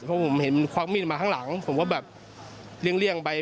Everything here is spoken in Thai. เพราะผมเห็นมันควักมีดมาข้างหลังผมก็แบบเลี่ยงไป